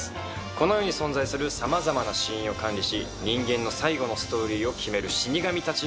この世に存在する様々な死因を管理し人間の最期のストーリーを決める死神たちの物語。